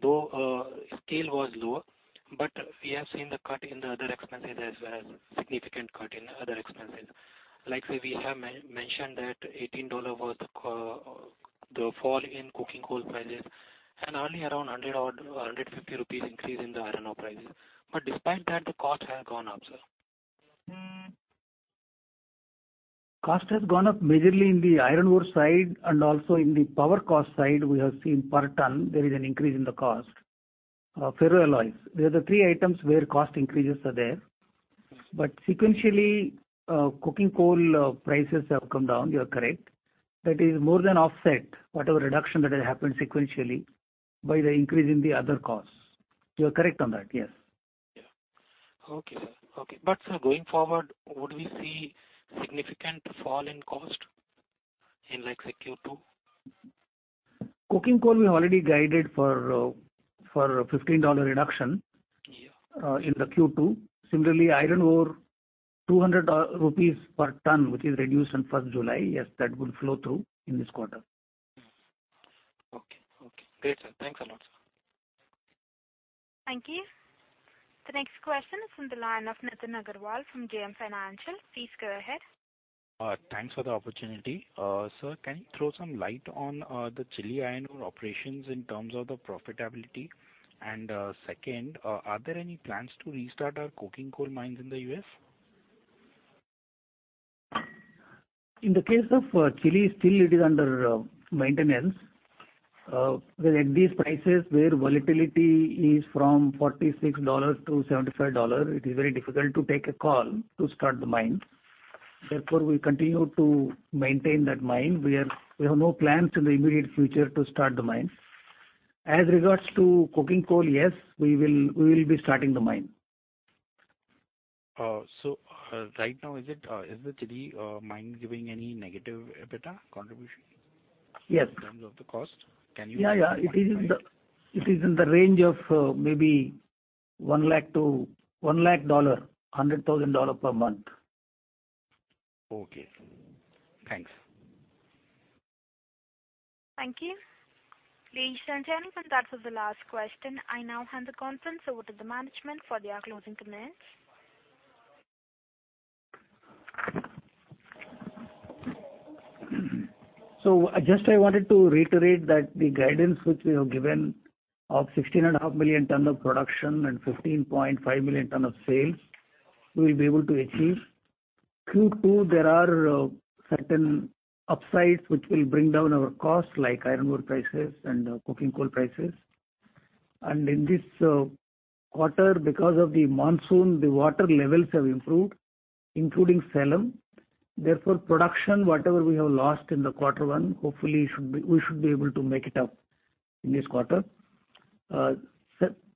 Though scale was lower, we have seen the cut in the other expenses as well as significant cut in other expenses. Like I say, we have mentioned that $18 was the fall in coking coal prices and only around 100 or 150 rupees increase in the iron ore prices. Despite that, the cost has gone up, sir. Cost has gone up majorly in the iron ore side and also in the power cost side. We have seen per ton there is an increase in the cost. There are the three items where cost increases are there. Sequentially, coking coal prices have come down. You are correct. That is more than offset whatever reduction that has happened sequentially by the increase in the other costs. You are correct on that. Yes. Yeah. Okay. Okay. Sir, going forward, would we see significant fall in cost in Q2? Coking coal, we already guided for a $15 reduction in Q2. Similarly, iron ore, 200 rupees per ton, which is reduced on 1 July. Yes, that will flow through in this quarter. Okay. Okay. Great, sir. Thanks a lot, sir. Thank you. The next question is from the line of Nitin Agarwal from JM Financial. Please go ahead. Thanks for the opportunity. Sir, can you throw some light on the Chile iron ore operations in terms of the profitability? Second, are there any plans to restart our coking coal mines in the US? In the case of Chile, still it is under maintenance. At these prices where volatility is from $46-$75, it is very difficult to take a call to start the mine. Therefore, we continue to maintain that mine. We have no plans in the immediate future to start the mine. As regards to coking coal, yes, we will be starting the mine. Right now, is the Chile mine giving any negative EBITDA contribution in terms of the cost? Can you? Yeah. Yeah. It is in the range of maybe $1,000,000-$100,000 per month. Okay. Thanks. Thank you. Ladies and gentlemen, that was the last question. I now hand the conference over to the management for their closing comments. I just wanted to reiterate that the guidance which we have given of 16.5 million ton of production and 15.5 million ton of sales, we will be able to achieve. In Q2, there are certain upsides which will bring down our costs like iron ore prices and coking coal prices. In this quarter, because of the monsoon, the water levels have improved, including Salem. Therefore, production, whatever we have lost in quarter one, hopefully, we should be able to make it up in this quarter.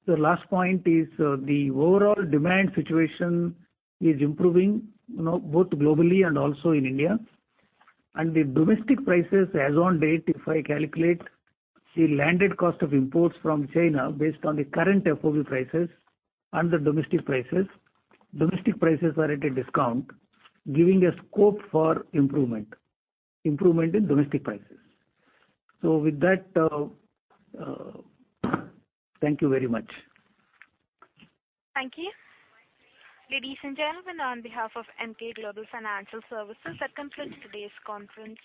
The last point is the overall demand situation is improving both globally and also in India. The domestic prices as on date, if I calculate the landed cost of imports from China based on the current FOB prices and the domestic prices, domestic prices are at a discount, giving a scope for improvement in domestic prices. Thank you very much. Thank you. Ladies and gentlemen, on behalf of Emkay Global Financial Services, that completes today's conference.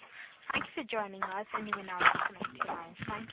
Thank you for joining us. You may now disconnect now. Thank you.